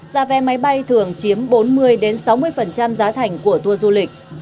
giá vé máy bay thường chiếm bốn mươi sáu mươi giá thành của tour du lịch